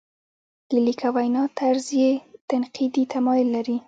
د لیک او وینا طرز یې تنقیدي تمایل لري.